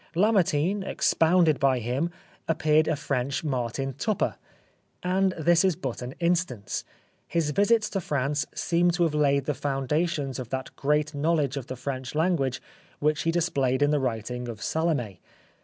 Lamar tine, expounded by him, appeared a French Martin Tupper. And this is but an instance. His visits to France seemed to have laid the foundations of that great knowledge of the French language which he displayed in the writing of '' Salome."